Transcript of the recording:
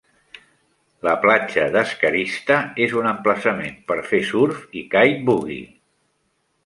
La platja d'Scarista és un emplaçament per fer surf i kite buggy.